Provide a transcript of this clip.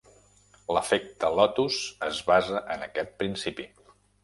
L'efecte lotus es basa en aquest principi.